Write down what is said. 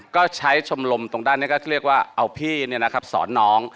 ก็ใช้ชมรมตรงด้านนี้ก็เรียกว่าเอาพี่เนี่ยนะครับสอนน้อง